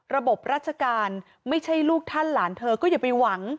ระบบราชการไม่ใช่ลูกท่านหลานเธอก็อย่าไปหวัง